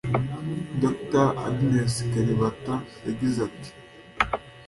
Dr Agnès Kalibata yagize ati